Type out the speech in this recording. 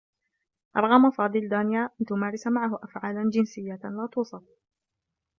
أرغم فاضل دانية على أن تمارس معه أفعالا جنسيّة لا تُوصف.